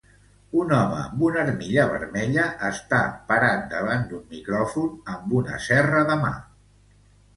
Un home amb una armilla vermella està parat davant d'un micròfon amb una serra de mà.